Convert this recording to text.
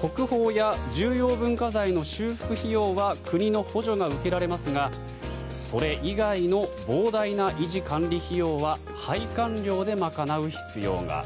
国宝や重要文化財の修復費用は国の補助が受けられますがそれ以外の膨大な維持管理費用は拝観料で賄う必要が。